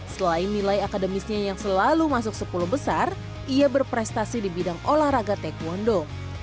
selain nilai akademisnya yang selalu masuk sepuluh besar ia berprestasi di bidang olahraga taekwondo